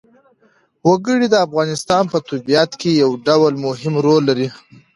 وګړي د افغانستان په طبیعت کې یو ډېر مهم رول لري.